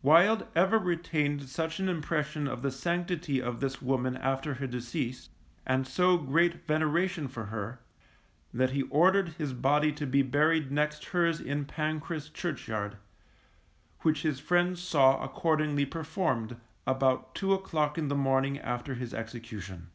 Wild ever retained such an impression of the sanctity of this woman after her decease, and so great veneration for her, that he ordered his body to be buried next hers in Pancras Churchyard, which his friends saw accordingly performed, about two o'clock in the morning after his execution.